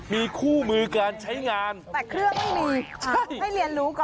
มีคู่มือการใช้งานแต่เครื่องไม่มีให้เรียนรู้ก่อน